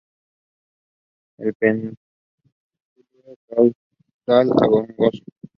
El pedúnculo caudal angosto.